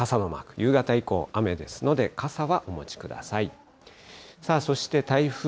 夕方以降、雨ですので、傘はお持ちください。